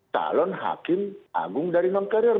calon hakim agung dari non carrier